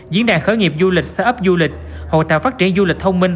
diễn đàn khởi nghiệp du lịch sở ấp du lịch hội tạo phát triển du lịch thông minh